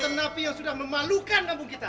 banteng napi yang sudah memalukan kampung kita